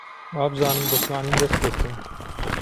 وابزانم دەتوانین دەست پێ بکەین.